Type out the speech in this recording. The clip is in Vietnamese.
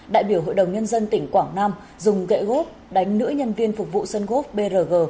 đại biểu hội đồng nhân dân tỉnh quảng nam dùng gậy gốp đánh nữ nhân viên phục vụ sân gốp brg